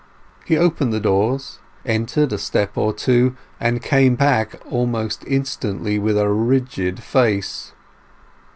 He opened the doors, entered a step or two, and came back almost instantly with a rigid face.